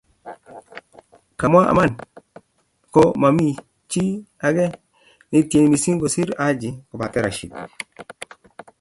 kawmwa iman ko momii chi age nikitieni mising kosir Haji kobate Rashid